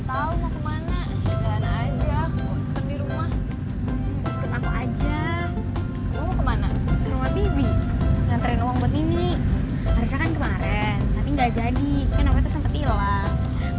kan apanya terus sampe hilang